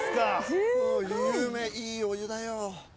いいお湯だよ。